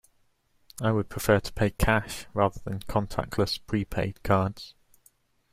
I would prefer to pay with cash rather than contactless prepaid cards.